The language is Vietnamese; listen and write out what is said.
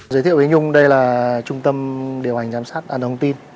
giới thiệu với nhung đây là trung tâm điều hành giám sát an thông tin